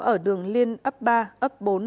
ở đường liên ấp ba ấp bốn